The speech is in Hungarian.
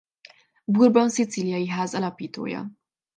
Bourbon–Szicíliai-ház alapítója.